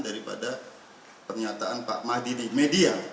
daripada pernyataan pak mahdi di media